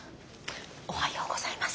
おはようございます。